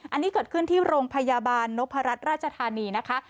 อันนี้เกิดขึ้นที่โรงพยาบาลนพรัชราชธานีนะคะ